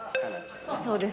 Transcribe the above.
そうです。